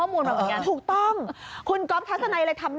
เมื่อกี้เพิ่งโทรถาม